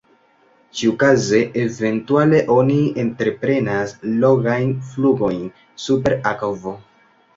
Ĉiukaze eventuale oni entreprenas longajn flugojn super akvo.